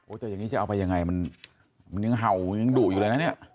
แต่อย่างนี้จะเอาไปยังไงมันยังเห่ายังดุอยู่เลยนะเนี่ย